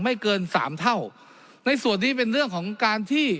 ไม่เกินสามเท่าในส่วนนี้เป็นเรื่องของการที่